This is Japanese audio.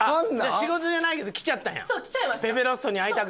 仕事じゃないけど来ちゃったんや。来ちゃいました！